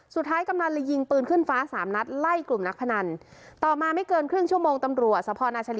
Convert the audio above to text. สุดท้ายกำหนันเลยยิงปืนขึ้นฟ้าสามนัดไล่กลุ่มนักพนันต่อมาไม่เกินครึ่งชั่วโมงตำรัว